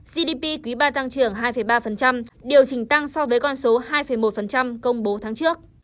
gdp quý iii tăng trưởng hai ba điều chỉnh tăng so với con số hai một công bố tháng trước